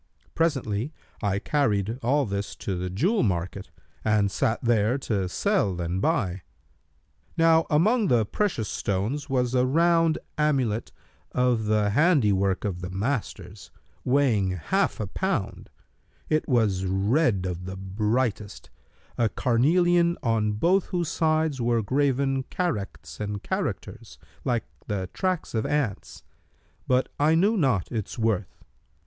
Presently I carried all this to the jewel market and sat there to sell and buy. Now among the precious stones was a round amulet of the handi work of the masters,[FN#290] weighing half a pound: it was red of the brightest, a carnelian on both whose sides were graven characts and characters, like the tracks of ants; but I knew not its worth.